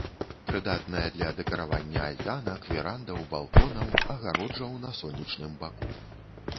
Прыдатная для дэкарыравання альтанак, верандаў, балконаў, агароджаў на сонечным баку.